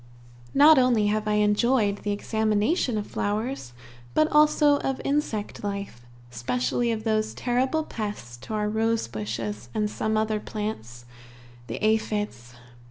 Not only have I enjoyed the examination of flowers, but also of insect life, specially of those terrible pests to our rosebushes and some other plants the aphides.